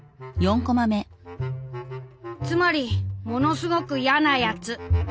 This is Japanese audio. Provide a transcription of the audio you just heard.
「つまりものすごく『ヤなやつ』！」。